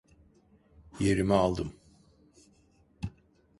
Yerimi aldım.